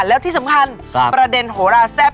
แล้วที่สำคัญประเด็นโหราแซ่บ